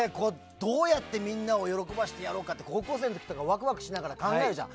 どうやってみんなを喜ばせてやろうかって高校生の時ってワクワクしながら考えるじゃない。